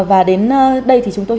và đến đây thì chúng tôi